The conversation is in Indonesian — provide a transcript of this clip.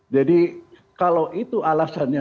jadi kalau itu alasannya